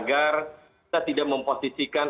agar kita tidak memposisikan